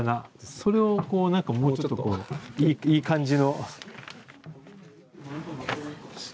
それをこう何かもうちょっといい感じの。